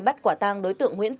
bắt quả tăng đối tượng nguyễn tiến